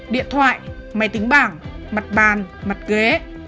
điện thoại máy tính bảng mặt bàn mặt ghế